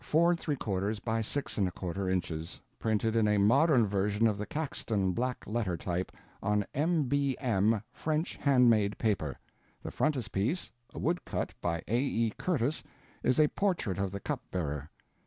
4 3/4 by 6 1/4 inches, printed in a modern version of the Caxton black letter type, on M.B.M. French handmade paper. The frontispiece, a woodcut by A. E. Curtis, is a portrait of the cup bearer.